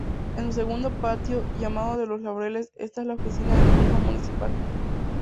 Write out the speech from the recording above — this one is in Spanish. En su segundo patio, llamado de los Laureles está la Oficina de Turismo Municipal.